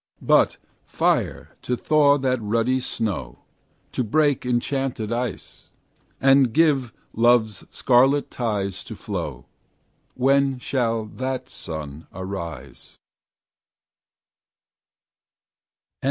But fire to thaw that ruddy snow, To break enchanted ice, And give love's scarlet tides to flow, When shall that sun arise?